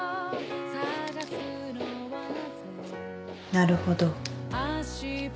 なるほど。